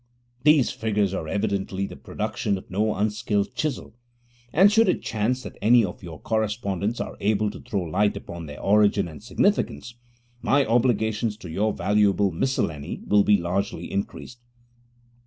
These figures are evidently the production of no unskilled chisel; and should it chance that any of your correspondents are able to throw light upon their origin and significance, my obligations to your valuable miscellany will be largely increased.'